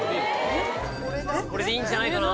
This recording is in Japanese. これでいいんじゃないかな？